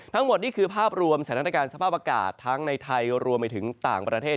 ในภาพรวมระบบอากาศทั้งไทยรวมมาถึงต่างประเทศ